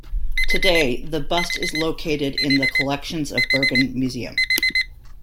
Today, the bust is located in the collections of Bergen Museum.